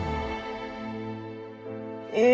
え！